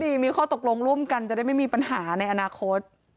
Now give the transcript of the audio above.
นี่มีข้อตกลงร่วมกันจะได้ไม่มีปัญหาในอนาคต